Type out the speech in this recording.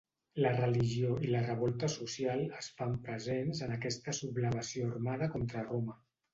La religió i la revolta social es fan presents en aquesta sublevació armada contra Roma.